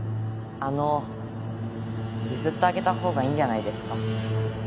あの譲ってあげたほうがいいんじゃないですか？